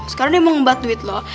sekarang dia mau ngembat duit loh